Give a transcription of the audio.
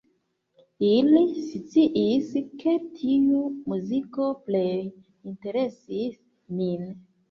Ili sciis, ke tiu muziko plej interesis min.